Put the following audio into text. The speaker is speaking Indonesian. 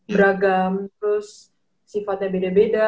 beragam terus sifatnya beda beda